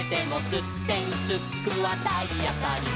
「すってんすっくはたいあたり」